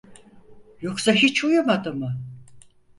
Yoksa hiç uyumadı mı?